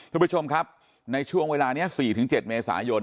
คุณผู้ชมครับในช่วงเวลานี้๔๗เมษายน